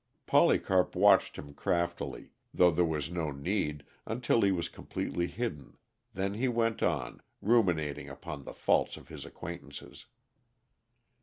Polycarp watched him craftily, though there was no need, until he was completely hidden, then he went on, ruminating upon the faults of his acquaintances.